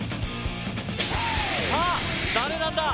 さあ誰なんだ？